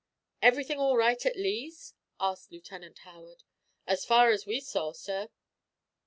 "Everything all right at Lee's?" asked Lieutenant Howard. "As far as we saw, sir."